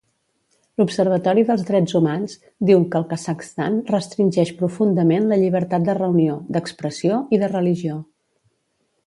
L'observatori dels Drets Humans diu que el Kazakhstan restringeix profundament la llibertat de reunió, d'expressió i de religió.